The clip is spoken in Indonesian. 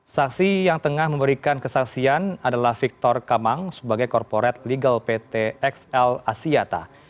saksi yang tengah memberikan kesaksian adalah victor kamang sebagai korporat legal pt xl asiata